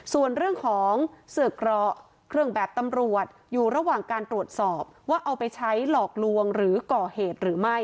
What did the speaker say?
ส่วนเรื่องของเสือกเกราะเครื่องแบบตำรวจอยู่ระหว่างการตรวจสอบว่าเอาไปใช้หลอกลวงหรือก่อเหตุหรือไม่